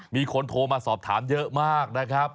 มีคนโทรมาสอบถามเยอะมากนะครับ